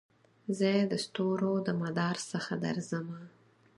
زه دستورو دمدار څخه درځمه